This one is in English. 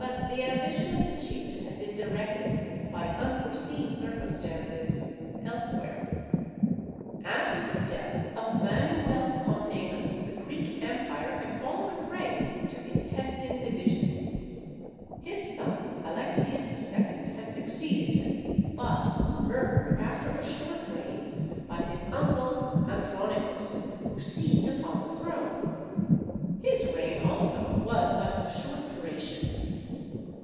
But the ambition of the chiefs had been directed, by unforeseen circumstances, elsewhere. After the death of Manuel Comnenus, the Greek empire had fallen a prey to intestine divisions. His son Alexius II. had succeeded him, but was murdered after a short reign by his uncle Andronicus, who seized upon the throne. His reign also was but of short duration.